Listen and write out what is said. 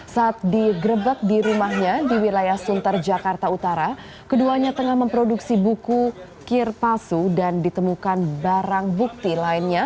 saat digrebek di rumahnya di wilayah sunter jakarta utara keduanya tengah memproduksi buku kir palsu dan ditemukan barang bukti lainnya